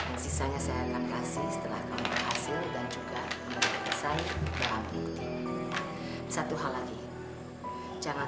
yang sisanya saya datang berhasil dan juga pun saya dalam nanti satu hal lagi jangan